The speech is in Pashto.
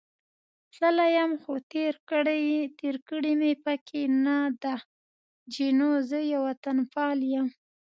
تللی یم، خو تېر کړې مې پکې نه ده، جینو: زه یو وطنپال یم.